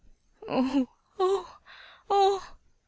" Oh, oh, oh